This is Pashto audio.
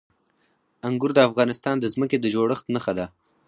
انګور د افغانستان د ځمکې د جوړښت نښه ده.